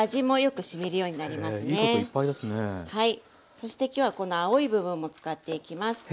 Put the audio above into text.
そして今日はこの青い部分も使っていきます。